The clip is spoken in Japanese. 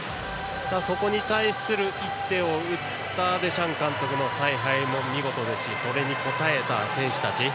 そこに対する一手を打ったデシャン監督の采配も見事だし、それに応えた選手たち。